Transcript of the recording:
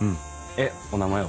えっお名前は？